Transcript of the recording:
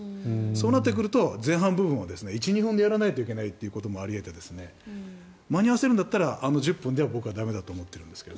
そうなってくると前半部分を１２分でやらないといけないということもあり得て間に合わせるんだったら１０分だったら駄目だと僕は思っているんですが。